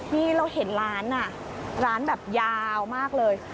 นี่เราเห็นร้านร้านแบบยาวมากเลย